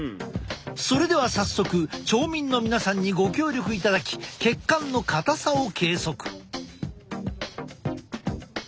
それでは早速町民の皆さんにご協力いただき血管の硬さを計測。